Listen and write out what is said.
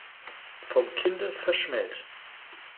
Vom Kinde verschmäht.